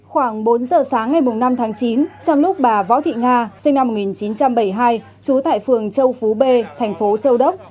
khoảng bốn giờ sáng ngày năm tháng chín trong lúc bà võ thị nga sinh năm một nghìn chín trăm bảy mươi hai trú tại phường châu phú b thành phố châu đốc